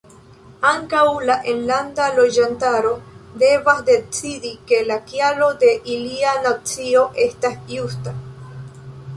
Ankaŭ la enlanda loĝantaro devas decidi ke la kialo de ilia nacio estas justa.